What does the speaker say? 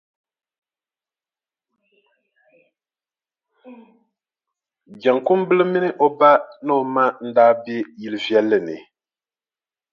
Jaŋkumbila mini o ba ni o ma n-daa be yili viɛlli ni.